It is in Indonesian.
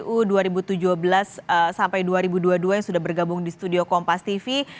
uu dua ribu tujuh belas sampai dua ribu dua puluh dua yang sudah bergabung di studio kompas tv